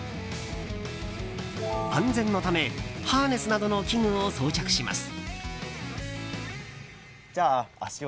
安全のためハーネスなどの器具を装着します。